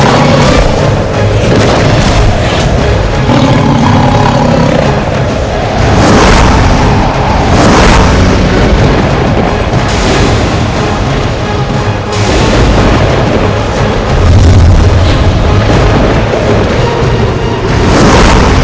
dari jurus ini